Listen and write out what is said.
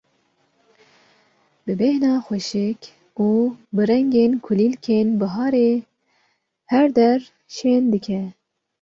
bi bêhna xweşik û bi rengên kulîlkên biharê her der şên dike.